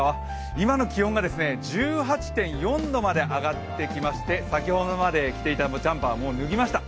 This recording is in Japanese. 今の気温が１８．４度まで上がってきまして先ほどまで着ていたジャンパーはもう脱ぎました。